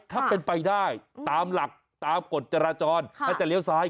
ถ้าเป็นไปได้ตามหลักตามกฎจราจรถ้าจะเลี้ยวซ้าย